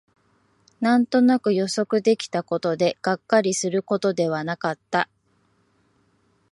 なんとなく予想できたことで、がっかりすることではなかった